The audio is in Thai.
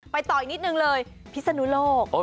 ต่ออีกนิดนึงเลยพิศนุโลก